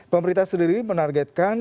pemerintah sendiri menargetkan